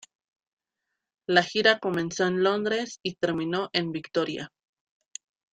La gira comenzó en Londres y terminó en Victoria.